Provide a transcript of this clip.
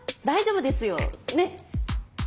大丈夫ですよねっ！